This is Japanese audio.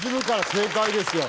正解ですよ。